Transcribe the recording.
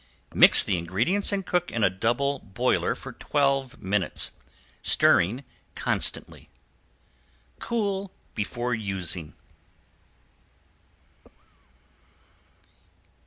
Mix the ingredients and cook in double boiler for twelve minutes, stirring constantly. Cool before using.